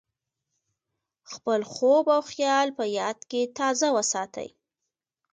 خپل خوب او خیال په یاد کې تازه وساتئ.